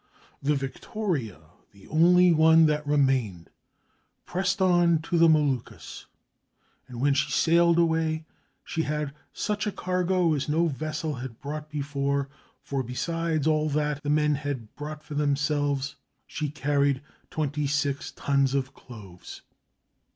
The Victoria, the only one that remained, pressed on to the Moluccas; and when she sailed away, she had such a cargo as no vessel had brought before, for besides all that the men had bought for themselves, she carried twenty six tons of cloves.